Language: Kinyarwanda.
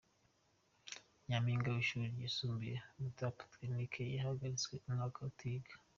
Nyampinga Wishuri ryisumbuye umutara poretekinike yahagaritswe umwaka atiga